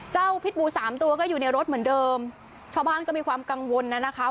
พิษบูสามตัวก็อยู่ในรถเหมือนเดิมชาวบ้านก็มีความกังวลนะนะคะ